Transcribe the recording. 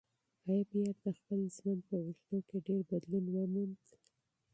ایا پییر د خپل ژوند په اوږدو کې ډېر بدلون وموند؟